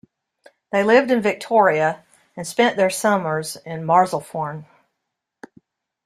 They lived in Victoria and spent their summers in Marsalforn.